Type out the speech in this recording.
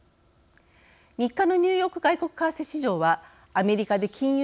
３日のニューヨーク外国為替市場はアメリカで金融